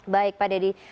baik pak dedy